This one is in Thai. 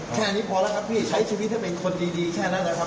แค่นี้พอแล้วครับพี่ใช้ชีวิตให้เป็นคนดีแค่นั้นนะครับ